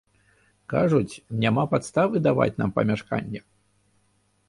Кажуць, няма падставы даваць нам памяшканне.